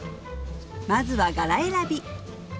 まずは柄選び！